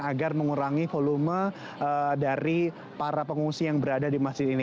agar mengurangi volume dari para pengungsi yang berada di masjid ini